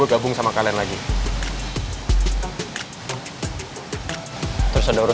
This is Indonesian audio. jangan jangan lo cemburu